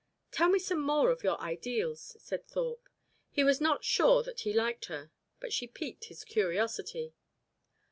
"Tell me some more of your ideals," said Thorpe. He was not sure that he liked her, but she piqued his curiosity.